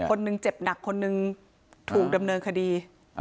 คนหนึ่งเจ็บหนักคนนึงถูกดำเนินคดี